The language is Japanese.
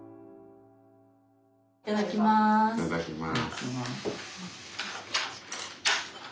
いただきます。